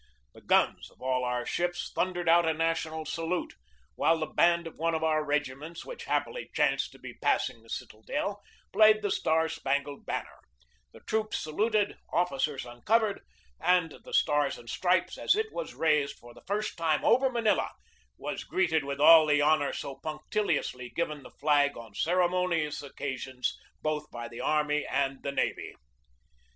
The guns of all our ships thundered out a national salute, while the band of one of our regiments, which happily chanced to be passing the citadel, played the "Star Spangled Ban ner," the troops saluted, officers uncovered, and the Stars and Stripes, as it was raised for the first time over Manila, was greeted with all the honor so punc tiliously given the flag on ceremonious occasions both by the army and the navy.